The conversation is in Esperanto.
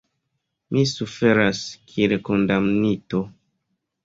Mi suferas, kiel kondamnito.